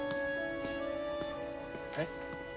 えっ？